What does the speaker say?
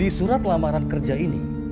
di surat lamaran kerja ini